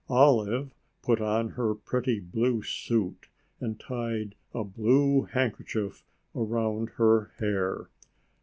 Olive put on her pretty blue suit and tied a blue handkerchief around her hair.